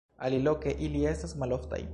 Aliloke ili estas maloftaj.